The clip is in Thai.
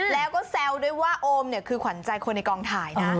แล้วก็แซวด้วยว่าโอมเนี่ยคือขวัญใจคนในกองถ่ายนะ